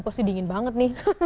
pasti dingin banget nih